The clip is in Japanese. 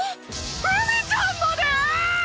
フミちゃんまで！？